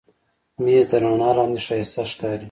مېز د رڼا لاندې ښایسته ښکاري.